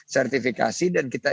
sertifikasi dan kita